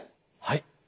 はい。